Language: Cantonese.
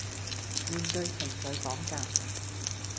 面對情緒綁架